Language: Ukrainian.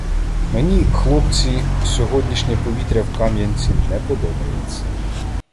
— Мені, хлопці, сьогоднішнє повітря в Кам'янці не подобається.